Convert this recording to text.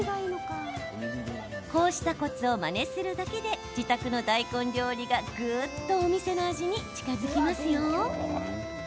こうしたコツをまねするだけで自宅の大根料理がぐっとお店の味に近づきますよ。